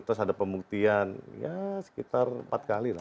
terus ada pembuktian ya sekitar empat kali lah